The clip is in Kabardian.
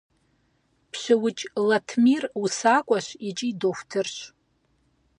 ПщыукӀ Латмир усакӀуэщ икӀи дохутырщ.